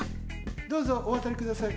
どうぞおわたりください。